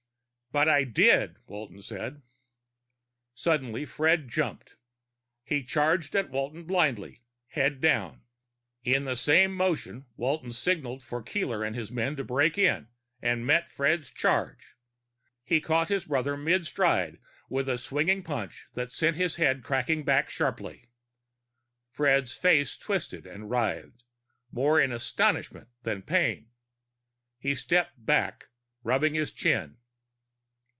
"But I did," Walton said. Suddenly, Fred jumped. He charged at Walton blindly, head down. In the same motion, Walton signaled for Keeler and his men to break in, and met Fred's charge. He caught his brother in midstride with a swinging punch that sent his head cracking back sharply. Fred's face twisted and writhed, more in astonishment than pain. He stepped back, rubbing his chin.